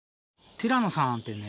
ティラノさんってね